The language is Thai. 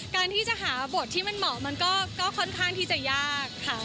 การที่จะหาบทที่มันเหมาะมันก็ค่อนข้างที่จะยากค่ะ